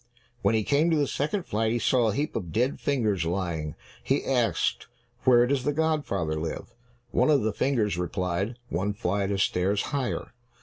When he came to the second flight, he saw a heap of dead fingers lying. He asked, "Where does the godfather live?" One of the fingers replied, "One flight of stairs higher."